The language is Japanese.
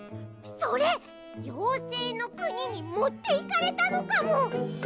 それようせいのくににもっていかれたのかも！